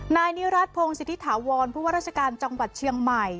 นายนิรัติพงศิษฐิถาวรผู้ว่าราชการจังหวัดเชียงใหม่